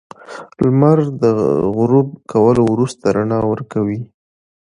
• لمر د غروب کولو وروسته رڼا ورکوي.